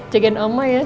jagain oma ya